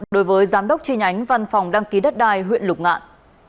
đối với giám đốc tri nhánh văn phòng đăng ký đất đai huyện lục ngạn